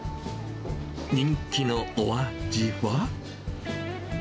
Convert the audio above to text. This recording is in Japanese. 人気のお味は？